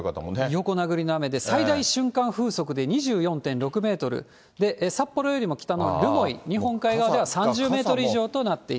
横殴りの雨で、最大瞬間風速で２４．６メートル、札幌よりも北の留萌、日本海側では３０メートル以上となっています。